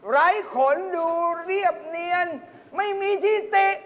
ไร้ขนดูเรียบเนียนไม่มีที่ติ